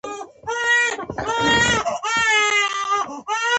حساب پې اکاونټ راته جوړ کړه